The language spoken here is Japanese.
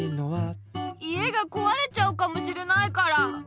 家がこわれちゃうかもしれないから！